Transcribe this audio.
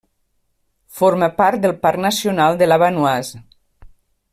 Forma part del parc nacional de la Vanoise.